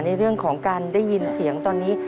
ในเรื่องของการได้ยินเสียงตอนนี้